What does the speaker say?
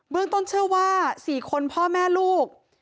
เรื่องต้นเชื่อว่า๔คนพ่อแม่ลูก